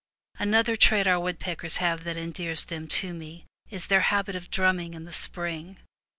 Another trait our woodpeckers have that endears them to me, is their habit of drumming in the spring.